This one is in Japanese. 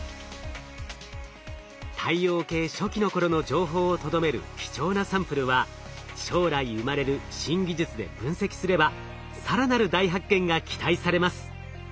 太陽系初期の頃の情報をとどめる貴重なサンプルは将来生まれる新技術で分析すれば更なる大発見が期待されます。